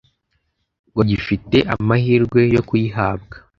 ngo gifite amahirwe yo kuyihabwa